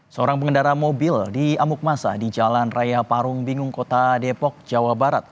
seorang pengendara mobil di amuk masa di jalan raya parung bingung kota depok jawa barat